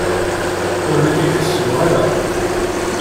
Ur la k-id-ḥessbeɣ ara.